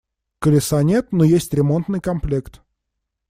Колеса нет, но есть ремонтный комплект.